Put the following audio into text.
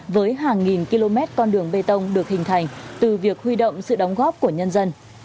với hàng nghìn km con đường bê tông được hình thành từ việc huy động sự đóng góp của nhân dân